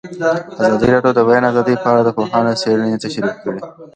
ازادي راډیو د د بیان آزادي په اړه د پوهانو څېړنې تشریح کړې.